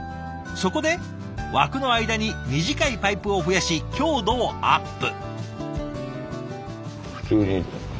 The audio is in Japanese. そこで枠の間に短いパイプを増やし強度をアップ。